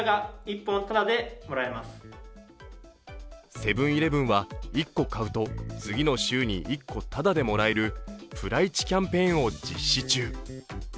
セブン−イレブンは１個買うと次の週に１個タダでもらえるプライチキャンペーンを実施中。